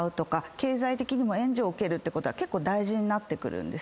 経済的にも援助を受けることは結構大事になってくるんですね。